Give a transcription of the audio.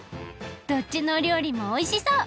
どっちのおりょうりもおいしそう！